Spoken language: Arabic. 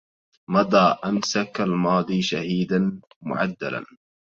مضى أمسك الماضي شهيدا معدلا